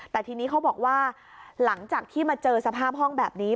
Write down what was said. แต่ทีนี้เขาบอกว่าหลังจากที่มาเจอสภาพห้องแบบนี้